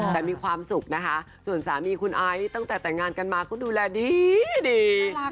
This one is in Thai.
แต่มีความสุขนะคะส่วนสามีคุณไอซ์ตั้งแต่แต่งงานกันมาก็ดูแลดี